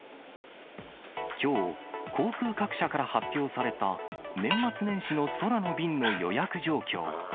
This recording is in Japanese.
きょう、航空各社から発表された年末年始の空の便の予約状況。